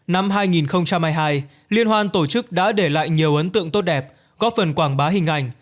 năm hai nghìn hai mươi hai liên hoan tổ chức đã để lại nhiều ấn tượng tốt đẹp góp phần quảng bá hình ảnh